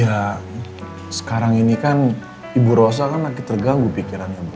ya sekarang ini kan ibu rosa kan lagi terganggu pikirannya